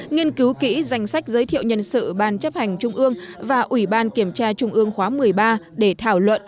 nghiên cứu kỹ danh sách giới thiệu nhân sự ban chấp hành trung ương và ủy ban kiểm tra trung ương khóa một mươi ba để thảo luận